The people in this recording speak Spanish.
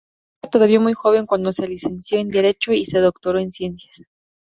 Era todavía muy joven cuando se licenció en Derecho y se doctoró en Ciencias.